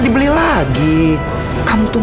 dibeli lagi kamu tuh